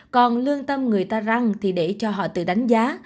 còn lương tâm người ta răng thì để cho họ tự đánh giá